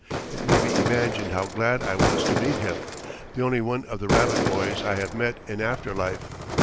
It may be imagined how glad I was to meet him the only one of the rabbit boys I have met in after life.